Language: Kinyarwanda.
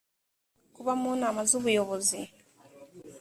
kuba mu nama z’ubuyobozi